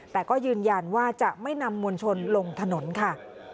แต่ก็ยืนยันว่าจะไม่นำมวลชนลงถนนค่ะ